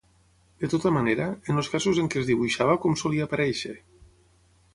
De tota manera, en els casos en què es dibuixava com solia aparèixer?